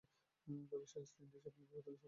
তার শেষ তিনটি ছবিই বিপুল সফলতা অর্জন করেছে।